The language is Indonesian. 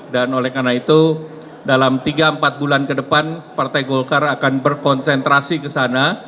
dan oleh karena itu dalam tiga empat bulan ke depan partai golkar akan berkonsentrasi ke sana